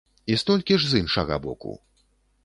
І столькі ж з іншага боку.